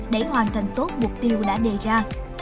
để hoàn thành tốt mục tiêu đã đề ra